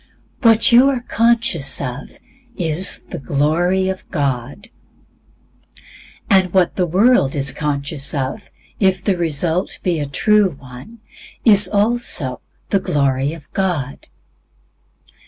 What you are conscious of is "the glory of the Lord." And what the world is conscious of, if the result be a true one, is also "the glory of the Lord."